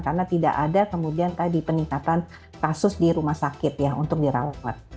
karena tidak ada kemudian tadi peningkatan kasus di rumah sakit ya untuk dirawat